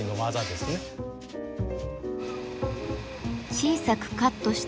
小さくカットした